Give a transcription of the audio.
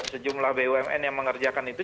sejumlah bumn yang mengerjakan itu